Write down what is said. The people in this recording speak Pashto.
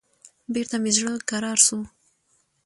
بېرته مې زړه کرار سو.